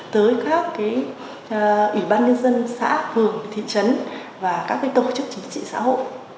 tới các ủy ban nhân dân xã phường thị trấn và các tổ chức chính trị xã hội